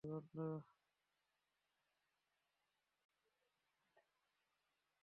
Lucky আর ওর দুই বন্ধু।